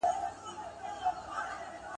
ده غوښتل افغانستان